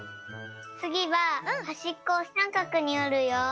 つぎははしっこをさんかくにおるよ。